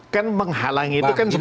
kan menghalangi itu kan